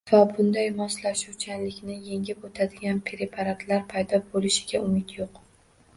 Va bunday moslashuvchanlikni yengib o‘tadigan preparatlar paydo bo‘lishiga umid yo‘q